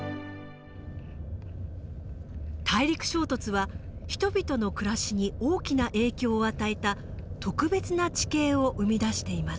大陸衝突は人々の暮らしに大きな影響を与えた特別な地形を生み出しています。